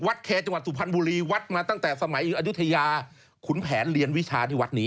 วัดเขจังหวัดสุภัณฑ์บุรีวัดมาตั้งแต่สมัยอยุธยาขุนแผนเรียนวิชาในวัดนี้